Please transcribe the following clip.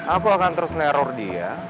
aku akan terus neror dia